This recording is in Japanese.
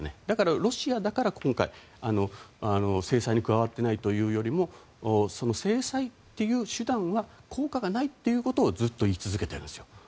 だから、ロシアだから今回も制裁に加わっていないというよりも制裁という手段は効果がないということをずっと言い続けているんです。